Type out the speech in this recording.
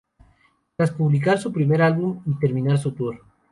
Tras publicar su primer álbum y terminar su tour.